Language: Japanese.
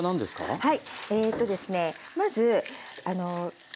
はい。